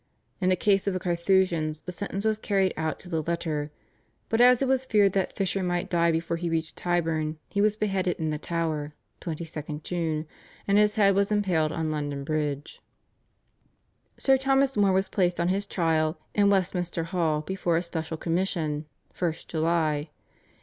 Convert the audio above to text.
In the case of the Carthusians the sentence was carried out to the letter, but as it was feared that Fisher might die before he reached Tyburn he was beheaded in the Tower (22nd June), and his head was impaled on London bridge. Sir Thomas More was placed on his trial in Westminster Hall before a special commission (1st July).